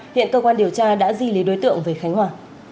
hiện cơ quan điều tra đã di lý đối tượng về khánh hòa